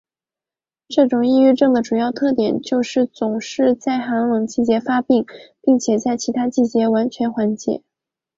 这种抑郁症的主要特点就是总是在寒冷季节发病并在其他季节完全缓解。